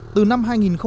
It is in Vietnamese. từ năm hai nghìn một mươi